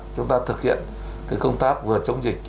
chúng ta thực hiện công tác vừa chống dịch